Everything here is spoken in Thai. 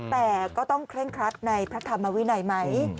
แต่ก็ต้องเคร่งครัดในพระธรรมวินัยไหม